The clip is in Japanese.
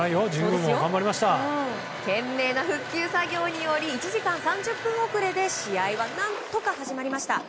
懸命な復旧作業により１時間３０分遅れで試合は何とか始まりました。